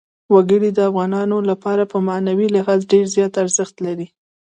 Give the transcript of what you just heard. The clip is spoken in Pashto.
وګړي د افغانانو لپاره په معنوي لحاظ ډېر زیات ارزښت لري.